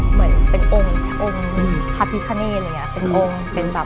เหมือนเป็นองค์องค์อะไรอย่างเงี้ยเป็นองค์เป็นแบบ